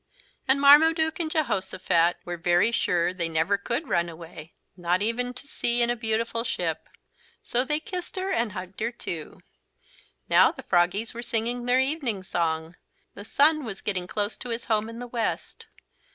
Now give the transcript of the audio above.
And Marmaduke and Jehosophat were very sure they never could run away not even to sea in a beautiful ship. So they kissed her and hugged her too. Now the froggies were singing their evening song. The sun was getting close to his home in the west.